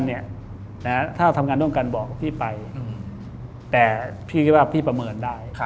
ถ้าทำงานร่วมกันบอกพี่ไปแต่พี่คิดว่าพี่ประเมินได้